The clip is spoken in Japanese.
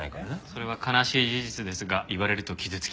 それは悲しい事実ですが言われると傷つきます。